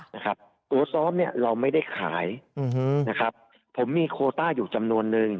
นะครับตัวซ้อมเนี่ยเราไม่ได้ขายอืมนะครับผมมีโคต้าอยู่จำนวนนึง